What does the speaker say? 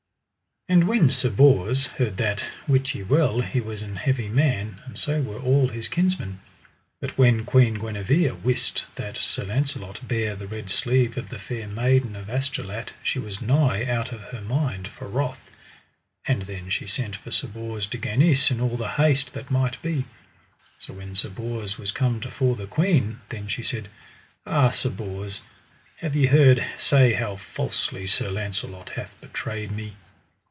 And when Sir Bors heard that, wit ye well he was an heavy man, and so were all his kinsmen. But when Queen Guenever wist that Sir Launcelot bare the red sleeve of the Fair Maiden of Astolat she was nigh out of her mind for wrath. And then she sent for Sir Bors de Ganis in all the haste that might be. So when Sir Bors was come to fore the queen, then she said: Ah Sir Bors, have ye heard say how falsely Sir Launcelot hath betrayed me?